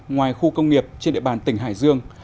ngoài khu công nghiệp trên địa bàn tỉnh hải dương